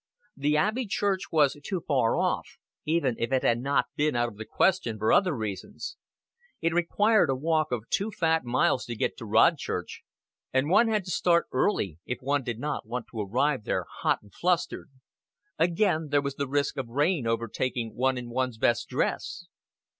The Abbey Church was too far off, even if it had not been out of the question for other reasons. It required a walk of two fat miles to get to Rodchurch, and one had to start early if one did not want to arrive there hot and flustered; again there was the risk of rain overtaking one in one's best dress.